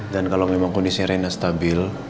dan kalau memang kondisi renna stabil